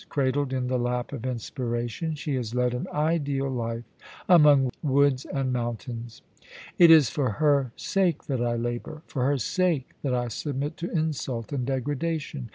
Cradled in the lap of inspiration, she has led an ideal life among woods and mountains. It is for her sake that I labour ; for her sake that I submit to insult and degradation.